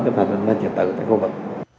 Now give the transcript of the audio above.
cái phần hình lên trực tự tại khu vực